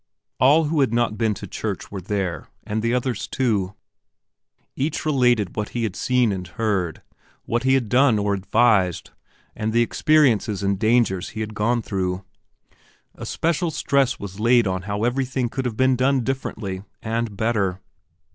All who had not been to church were there, and the others too. Each related what he had seen and heard, what he had done or advised, and the experiences and dangers he had gone through. Especial stress was laid on how everything could have been done differently and better.